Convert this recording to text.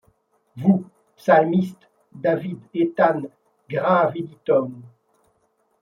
Vous, psalmistes, David, Éthan, grave Idithun ;